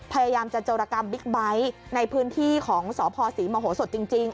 พยายามจะโจรกรรมบิ๊กไบท์ในพื้นที่ของสพศรีมโหสดจริง